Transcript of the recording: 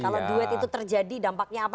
kalau duet itu terjadi dampaknya apa